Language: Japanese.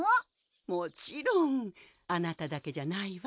もちろん。あなただけじゃないわ。